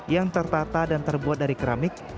yang tertata dan terbuat dari keramik